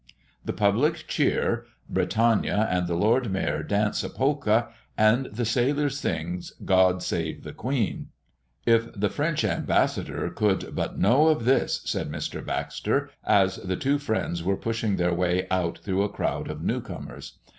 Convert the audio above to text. The public cheer, Britannia and the Lord Mayor dance a polka, and the sailor sings "God save the Queen!" "If the French ambassador could but know of this!" said Mr. Baxter, as the two friends were pushing their way out through a crowd of new comers.